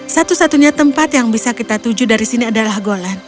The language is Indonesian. satu satunya tempat yang bisa kita tuju dari sini adalah golan